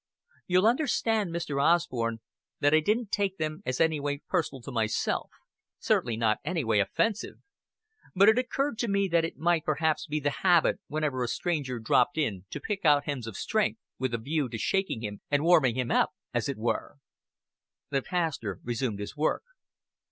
"You'll understand, Mr. Osborn, that I didn't take them as any way personal to myself certainly not any way offensive; but it occurred to me that it might perhaps be the habit whenever a stranger dropped in to pick out hymns of strength, with a view to shaking him and warming him up, as it were." The pastor resumed his work.